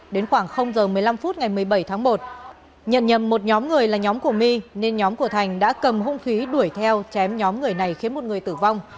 đến khoảng giờ một mươi năm phút ngày một mươi bảy tháng một nhận nhầm một nhóm người là nhóm của my nên nhóm của thành đã cầm hung khí đuổi theo chém nhóm người này khiến một người tử vong